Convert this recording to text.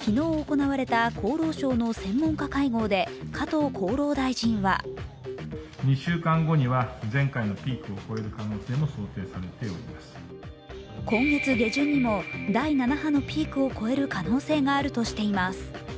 昨日行われた厚労省の専門家会合で加藤厚労大臣は今月下旬にも第７波のピークを超える可能性があるとしています。